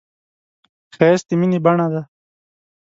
ښایست د مینې بڼه ده